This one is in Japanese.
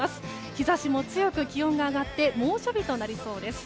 日差しも強く、気温が上がって猛暑日となりそうです。